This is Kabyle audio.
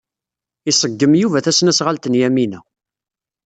Iṣeggem Yuba tasnasɣalt n Yamina.